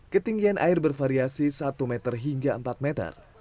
ketinggian air bervariasi satu meter hingga empat meter